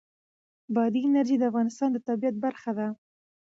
بادي انرژي د افغانستان د طبیعت برخه ده.